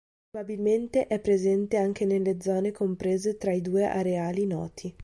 Probabilmente è presente anche nelle zone comprese tra i due areali noti.